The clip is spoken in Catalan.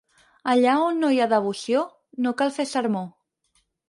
Allà on no hi ha devoció, no cal fer sermó.